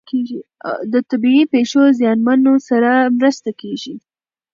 د طبیعي پیښو زیانمنو سره مرسته کیږي.